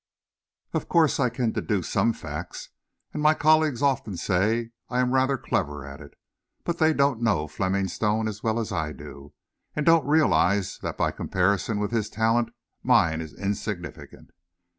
Of course I can deduce some facts, and my colleagues often say I am rather clever at it, but they don't know Fleming Stone as well as I do, and don't realize that by comparison with his talent mine is insignificant.